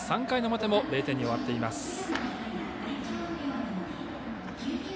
３回の表も０点に終わっています。